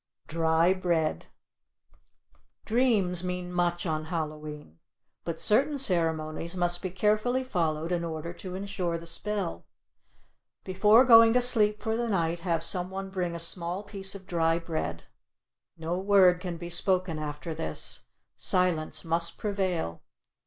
DRY BREAD Dreams mean much on Hallow e'en, but certain ceremonies must be carefully followed in order to insure the spell. Before going to sleep for the night have some one bring a small piece of dry bread. No word can be spoken after this; silence must prevail.